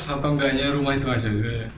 satu satunya rumah itu aja